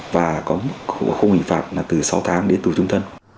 và có mức hình phạt là từ sáu tháng đến tù trung thân